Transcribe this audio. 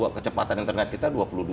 kecepatan internet kita dua puluh dua